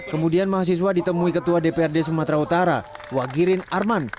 kemudian mahasiswa ditemui ketua dprd sumatera utara wagirin arman